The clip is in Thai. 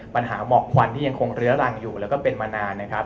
ปัญหาหมอกควันที่ยังคงเรื้อรังอยู่และเป็นมานาน